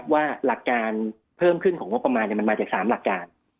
ว่าหลักการเพิ่มขึ้นของงบประมาณมันมาจาก๓หลักการ